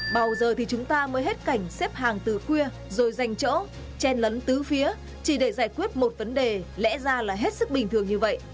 bao giờ thì chúng ta mới hết cảnh xếp hàng từ khuya rồi dành chỗ chen lấn tứ phía chỉ để giải quyết một vấn đề lẽ ra là hết sức bình thường như vậy